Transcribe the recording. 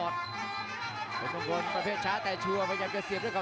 จังหวาดึงซ้ายตายังดีอยู่ครับเพชรมงคล